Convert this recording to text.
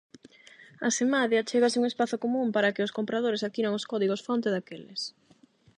Asemade, achégase un espazo común para que os compradores adquiran os códigos fonte daqueles.